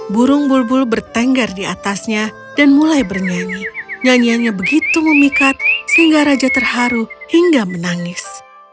burung bulbul bertengger di atasnya dan mulai bernyanyi nyanyiannya begitu memikat sehingga raja terharu hingga menangis